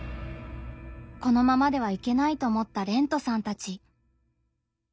このままではいけないと思ったれんとさんたち。